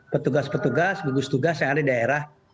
petugas petugas gugus tugas yang ada di daerah